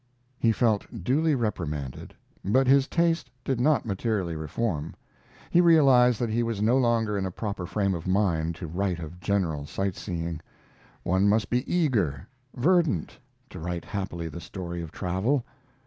He felt duly reprimanded, but his taste did not materially reform. He realized that he was no longer in a proper frame of mind to write of general sight seeing. One must be eager, verdant, to write happily the story of travel.